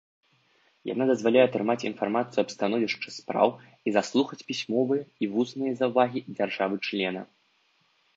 Яна дазваляе атрымаць інфармацыю аб становішчы спраў і заслухаць пісьмовыя і вусныя заўвагі дзяржавы-члена.